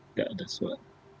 tidak ada suara